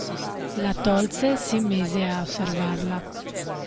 La tolse e si mise a osservarla.